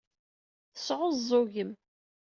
Tesɛuẓẓugem.